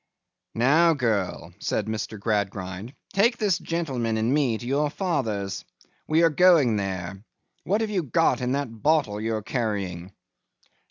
'Now, girl,' said Mr. Gradgrind, 'take this gentleman and me to your father's; we are going there. What have you got in that bottle you are carrying?